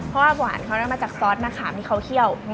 เพราะว่าหวานเขานั้นมาจากซอสมะขามที่เขาเคี่ยว